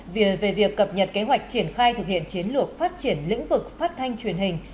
về việc cập nhật kế hoạch triển khai thực hiện chiến lược phát triển lĩnh vực phát thanh truyền hình